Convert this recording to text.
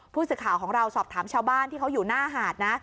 ผู้สื่อข่าวของเราสอบถามชาวบ้านที่เขาอยู่หน้าหาดนะ